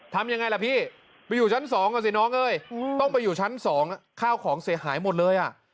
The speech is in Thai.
ทำยังไงล่ะพี่ไปอยู่ชั้น๒อ่ะสิน้องเอ้ยต้องไปอยู่ชั้น๒ข้าวของเสียหายหมดเลยอ่ะ